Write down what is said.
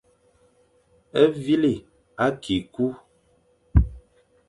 Vîle akî ku.